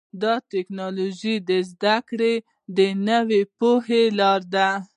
د ټکنالوجۍ زدهکړه د نوې پوهې لاره ده.